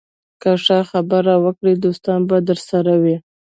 که ښه خبرې وکړې، دوستان به درسره وي